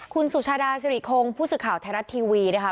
คุณสุชาดาสิริคงผู้สื่อข่าวไทยรัฐทีวีนะคะ